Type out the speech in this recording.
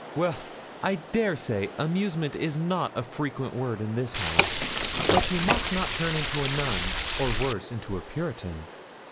Well, I dare say, amusement is not a frequent word in this house. But you must not turn into a nun, or worse, into a puritan.